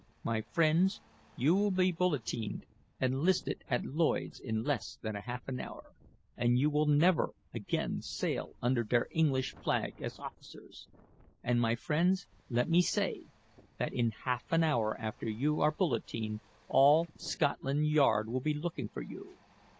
My friends, you will be bulletined and listed at Lloyds in less than half an hour, and you will never again sail under der English flag as officers. And, my friends, let me say, that in half an hour after you are bulletined, all Scotland Yard will be looking for you.